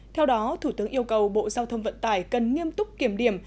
theo đó thủ tướng yêu cầu bộ giao thông vận tải cần nghiêm túc kiểm điểm